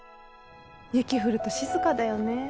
雪降ると静かだよね。